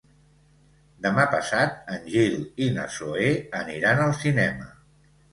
Demà passat en Gil i na Zoè aniran al cinema.